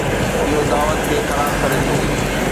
اهو دعوت کي خراب ڪري ٿو.